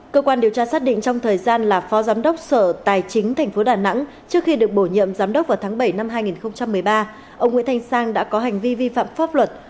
cơ quan điều tra xác định trong thời gian là phó giám đốc sở tài chính tp đà nẵng trước khi được bổ nhiệm giám đốc vào tháng bảy năm hai nghìn một mươi ba ông nguyễn thành sang đã có hành vi vi phạm pháp luật